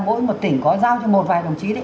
mỗi một tỉnh có giao cho một vài đồng chí đấy